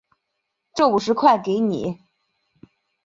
这五十块给你